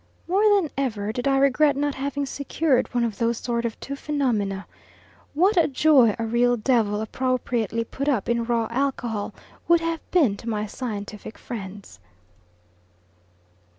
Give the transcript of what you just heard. More than ever did I regret not having secured one of those sort of two phenomena. What a joy a real devil, appropriately put up in raw alcohol, would have been to my scientific friends!